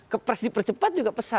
ke pres dipercepat juga pesan